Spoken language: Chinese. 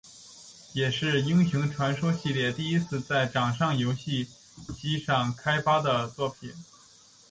也是英雄传说系列第一次在掌上游戏机上开发的作品。